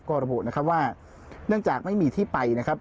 ก็ระบุนะครับว่าเนื่องจากไม่มีที่ไปนะครับ